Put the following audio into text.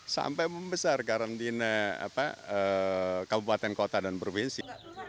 sampai membesar karantina kabupaten kota dan provinsi